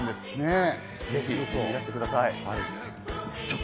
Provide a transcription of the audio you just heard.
ぜひ、いらしてください。